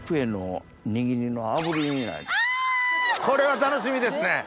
これは楽しみですね。